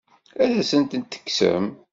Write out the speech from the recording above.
Ad asent-ten-tekksem?